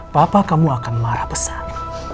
papa kamu akan marah pesan